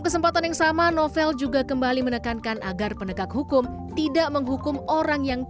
kesempatan yang sama novel juga kembali menekankan agar penegak hukum tidak menghukum orang yang